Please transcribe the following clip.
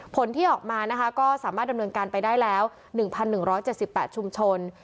ผลที่ออกมานะคะก็สามารถดำเนินการไปได้แล้วหนึ่งพันหนึ่งร้อยเจ็ดสิบแปดชุมชน